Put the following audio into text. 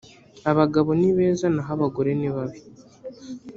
abagabo ni beza naho abagore nibabi